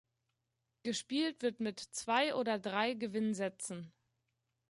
Gespielt wird mit zwei oder drei Gewinnsätzen.